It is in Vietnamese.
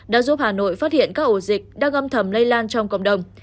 đã giúp hà nội phát hiện các ổ dịch đang gâm thầm lây lan trong cộng đồng